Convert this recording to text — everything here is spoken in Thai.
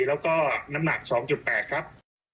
แล้วก็น้ำหนัก๒๘ครับ